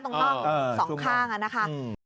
ตรงนอก๒ข้างนั้นนะคะ